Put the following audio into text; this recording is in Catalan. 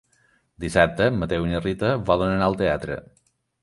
Dissabte en Mateu i na Rita volen anar al teatre.